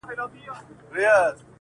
ښايستو کي خيالوري پيدا کيږي,